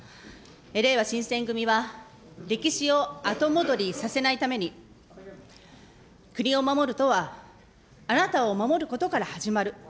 れいわ新選組は歴史を後戻りさせないために、国を守るとは、あなたを守ることから始まる。